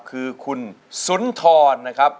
คือคุณสุนทรนะครับ